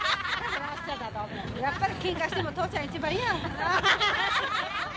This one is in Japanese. やっぱりけんかしても父ちゃんが一番やん。